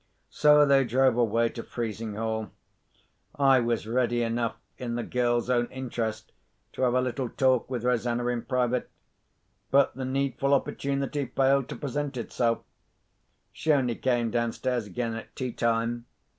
So they drove away to Frizinghall. I was ready enough, in the girl's own interest, to have a little talk with Rosanna in private. But the needful opportunity failed to present itself. She only came downstairs again at tea time.